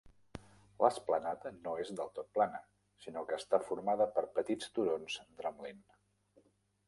L"esplanada no és del tot plana, sinó que està formada per petits turons drumlin.